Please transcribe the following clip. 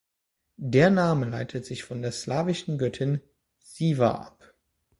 Der Name leitet sich von der slawischen Göttin Siwa ab.